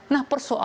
nah persoalan bahwa